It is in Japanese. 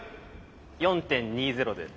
４．２０で。